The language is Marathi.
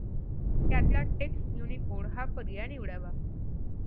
त्यातला टेक्स्ट युनिकोड हा पर्याय निवडावा.